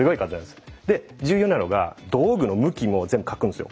で重要なのが道具の向きも全部描くんですよ。